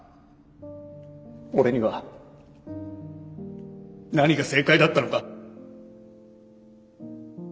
俺には何が正解だったのか。